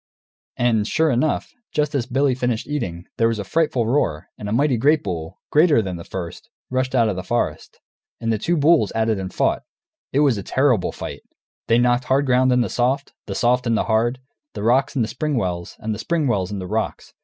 And, sure enough, just as Billy finished eating, there was a frightful roar, and a mighty great bull, greater than the first, rushed out of the forest. And the two bulls at it and fought. It was a terrible fight! They knocked the hard ground into soft, the soft into hard, the rocks into spring wells, and the spring wells into rocks.